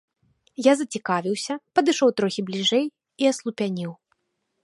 Я зацікавіўся, падышоў трохі бліжэй і аслупянеў.